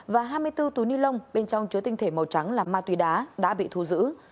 và hai mươi bốn túi ni lông bên trong chứa tinh thể màu trắng là ma túy đá đã bị thu giữ